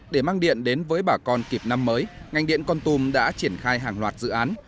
để mang điện đến với bà con kịp năm mới ngành điện con tum đã triển khai hàng loạt dự án